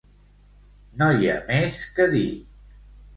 No hi ha més que dir.